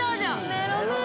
メロメロ